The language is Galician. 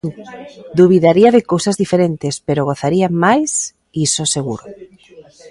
Dubidaría de cousas diferentes, pero gozaría máis, iso seguro.